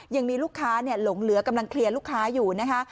ยังมีลูกค้าหลงเหลือกำลังเคลียร์ลูกค้าอยู่นะคะ